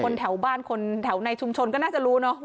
แถวบ้านคนแถวในชุมชนก็น่าจะรู้เนอะ